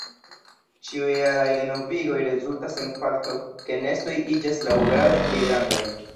Ĉiujaraj renovigoj rezultas en fakto ke nestoj iĝas laŭgrade pli grandaj.